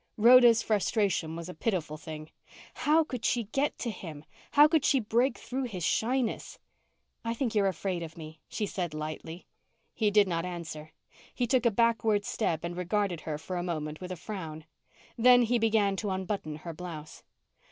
Rhoda's frustration was a pitiful thing. How could she get to him? How could she break through his shyness? "I think you're afraid of me," she said lightly. He did not answer. He took a backward step and regarded her for a moment with a frown. Then he began to unbutton her blouse.